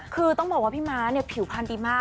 คือต้องบอกว่าพี่ม้าเนี่ยผิวพันธ์ดีมาก